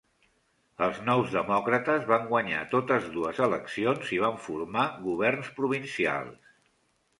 Els Nous Demòcrates van guanyar totes dues eleccions i van formar governs provincials.